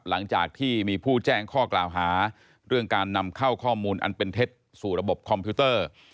หลังจากที่มีผู้แจ้งข้อกล่าวหาเรื่องการนำเข้าข้อมูลอันเป็นเท็จสู่ระบบคอมพิวเตอร์